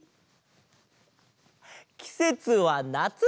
きせつはなつ！